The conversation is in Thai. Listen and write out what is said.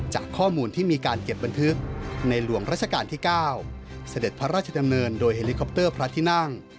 จากข้อมูลที่มีการเก็บบันทึกในหลวงราชการที่๙เสด็จพระราชดำเนินโดยเฮลิคอปเตอร์พระที่นั่ง